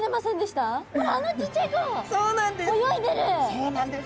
そうなんです。